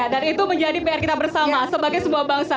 dan itu menjadi pr kita bersama sebagai sebuah bangsa